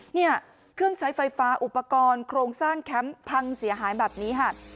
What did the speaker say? เนี่ยเครื่องใช้ไฟฟ้าอุปกรณ์โครงสร้างแคมป์พังเสียหายแบบนี้ค่ะ